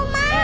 nggak mau ma